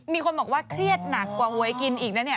มีคนบอกว่าเครียดหนักกว่าหวยกินอีกนะเนี่ย